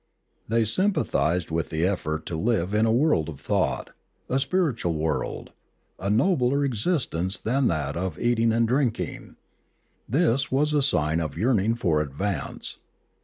They sympathised with the effort to live in a world of thought, a spiritual world, a nobler existence than that of eating and drinking; this was a sign of a yearning for advance.